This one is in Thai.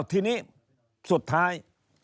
ทีนี้สุดท้าย